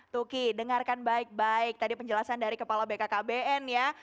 tuki dengarkan baik baik tadi penjelasan dari kepala bkkbn ya